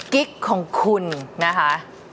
กิ๊กของคุณนะคะ